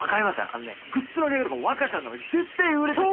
あのねグッズの売り上げとかも若ちゃんのが絶対売れてて。